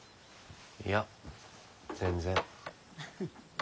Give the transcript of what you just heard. いや全然。